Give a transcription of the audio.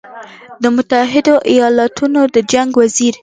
د متحدو ایالتونو د جنګ وزیر